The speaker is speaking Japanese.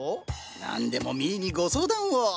何でもミーにご相談を。